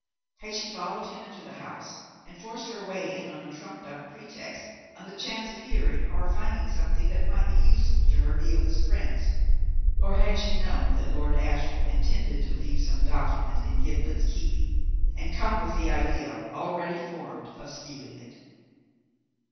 Had she followed him into the house and forced her way in on a trumped up pretext, on the chance of hearing or finding something that might be useful to her Nihilist friends, or had she known that Lord Ashiel intended to leave some document in Gimblet's keeping, and come with the idea, already formed, of stealing it?